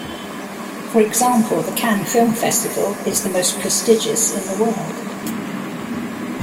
For example, the Cannes Film Festival is the most prestigious in the world.